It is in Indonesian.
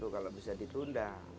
kalau bisa ditundang